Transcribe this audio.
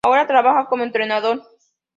Ahora trabaja como entrenador.